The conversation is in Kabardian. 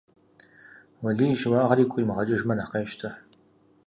Уэлий и щыуагъэр игу къимыгъэкӀыжмэ нэхъ къещтэ.